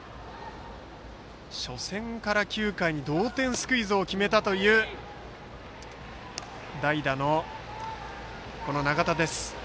初戦から９回に同点スクイズを決めたという代打の永田です。